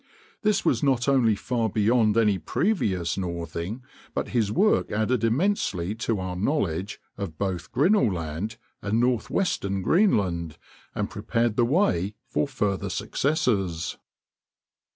This was not only far beyond any previous northing, but his work added immensely to our knowledge of both Grinnell Land and northwestern Greenland, and prepared the way for further successes.